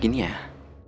gak ada apa apa